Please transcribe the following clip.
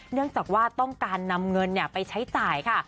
เนื่องจากว่าต้องการนำเงินไปใช้จ่ายค่ะ